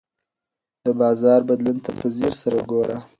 د بازار بدلون ته په ځیر سره ګوره.